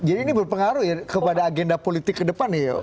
jadi ini berpengaruh ya kepada agenda politik ke depan ya